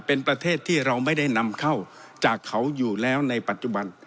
เป็นประเทศที่เราไม่ได้นำเข้าจากเขาอยู่แล้วในปัจจุบัน